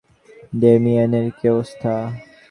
ডেমিয়েনের কী অবস্থা?